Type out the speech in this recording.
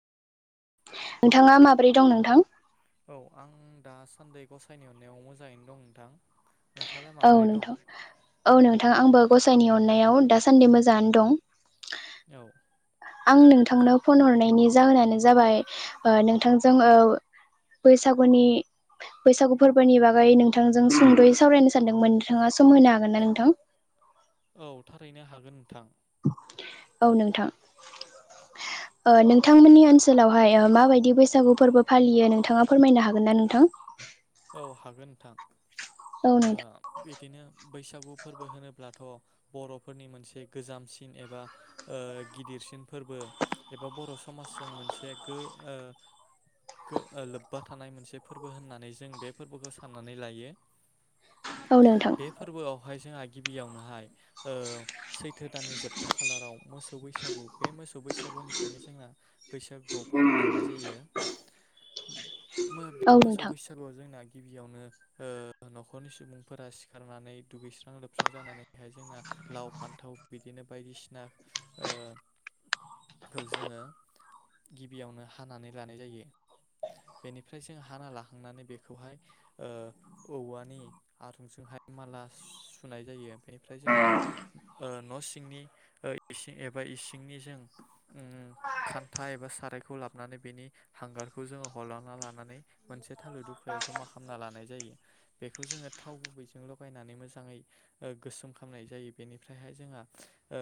नोंथाङा माबोरै दं नोंथां? औ आं दासान्दि गसाइनि अननायाव मोजाङैनो दं नोंथां। नोंथाङालाय औ माबोरै दं? नोंथां औ नोंथां आंबो गसाइनि अननायाव दासान्दि मोजाङानो दं। औ आं नोंथांनो फन हरनायनि जाहोनानो जाबाय ओ नोंथांजों ओ बैसागुनि बैसागु फोरबोनि बागै नोंथांजों सुंद'यै सावरायनो सो सानदोंमोन नोंथाङा सम होनो हागोन ना नोंथां। औ थारैनो हागोन नोंथां। औ नोंथां ओ नोंथांमोननि ओनसोलावहाय ओ माबायदि बैसागु फोरबो फालियो नोंथाङा फोरमायनो हागोन ना नोंथां। औ हागोन नोंथां औ ओ नोंथां बिदिनो बैसागु फोरबो होनोब्लाथ' बर'फोरनि मोनसे गोजामसिन एबा ओ गिदिरसिन फोरबो एबा बर' समाजजों मोनसे गो ओ गो ओ लोब्बा थानाय मोनसे फोरबो होननानै जों बेबोफोरखौ साननानै लायो। औ नोंथां बे फोरबोआवहाय जोंहा गिबियावनोहाय ओ सैथो दाननि जोबथा खालाराव मोसौ बैसागु बे मोसौ बैसागुनिफ्रायनो जोंना बैसागुआव फालिलांनाय जायो मो बे औ मोसौ नोंथां बैसागुआव जों जोंना गिबियावनो ओ न'खरनि सुबुंफोरा सिखारनानै दुगैस्रां लोबस्रां जानानैहाय जोंना लाव फान्थाव बिदिनो बायदिसिना ओ खौ जोङो गिबियावनो हानानै लानाय जायो। बेनिफ्राय जों हाना लाखांनानै बे खौहाय ओ औवानि आरुंजोंहाय माला सुनाय जायो। बेनिफ्राय जोंहा ओ न' सिंनि ओ इसिं एबा इसिंनिजों उम खान्था एबा सारायखौ लाबनानै बेनि हांगारखौ जोङो हल'ना लानानै मोनसे बे थालिर दुखायाव जमा खालामना लानाय जायो बेखौ जोङो थाव गुबैजों लगायनानै मोजाङै ओ गोसोम खालामनाय जायो बेनिफ्रायहाय जोंहा ओ